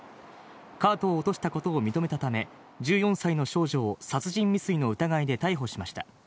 カートを落としたことを認めたため、１４歳の少女を殺人未遂の疑いで逮捕しました。